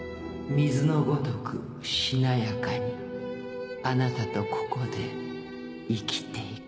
水のごとくしなやかにあなたとここで生きていく。